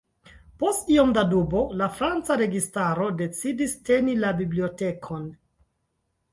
Post iom da dubo, la franca registaro decidis teni la bibliotekon.